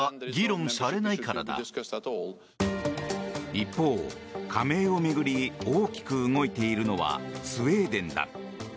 一方、加盟を巡り大きく動いているのはスウェーデンだ。